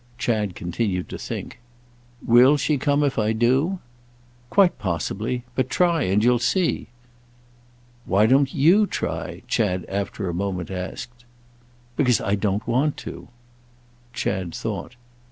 Chad continued to think. "Will she come if I do?" "Quite possibly. But try, and you'll see." "Why don't you try?" Chad after a moment asked. "Because I don't want to." Chad thought.